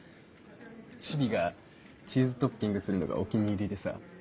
チビがチーズトッピングするのがお気に入りでさ。